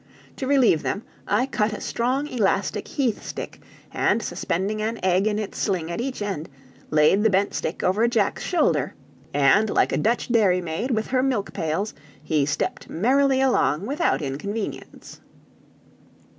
To relieve them, I cut a strong elastic heath stick, and suspending an egg in its sling at each end, laid the bent stick over Jack's shoulder, and like a Dutch dairy maid with her milk pails, he stepped merrily along without inconvenience.